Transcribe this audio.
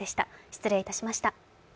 失礼いたしました。